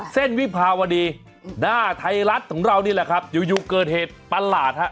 วิภาวดีหน้าไทยรัฐของเรานี่แหละครับอยู่เกิดเหตุประหลาดฮะ